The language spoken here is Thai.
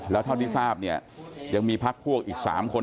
แล้วเท่าที่ทราบเนี่ยยังมีพักพวกอีก๓คน